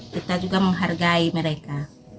kita juga menghargai mereka